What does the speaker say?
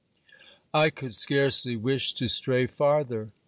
I could scarcely wish to stray farther.